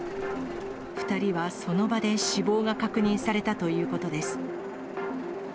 ２人はその場で死亡が確認されたということです。